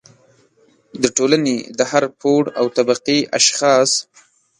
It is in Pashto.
د ټولنې د هر پوړ او طبقې اشخاص